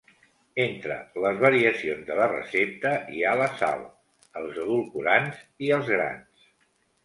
Entre les variacions de la recepta hi ha la sal, els edulcorants i els grans.